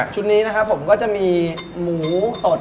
ชุดนี้นะครับผมก็จะมีหมูสด